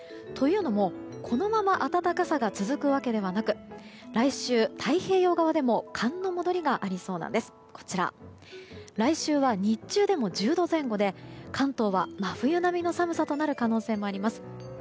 というのも、このまま暖かさが続くわけではなく来週、太平洋側でも寒の戻りがありそうなんです。来週は日中でも１０度前後で関東は真冬並みの寒さになる可能性もあります。